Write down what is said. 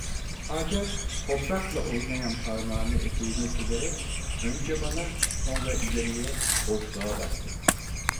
Hacer toprakla oynayan parmağını eteğine silerek, önce bana, sonra ileriye, boşluğa baktı.